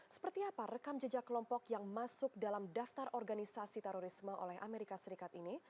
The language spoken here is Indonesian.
seperti apa rekam jejak kelompok yang masuk dalam daftar organisasi terorisme oleh amerika serikat ini